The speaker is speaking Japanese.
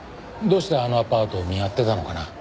どうしてあのアパートを見張ってたのかな？